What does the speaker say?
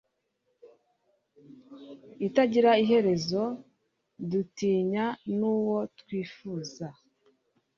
Itagira iherezo dutinya nuwo twifuza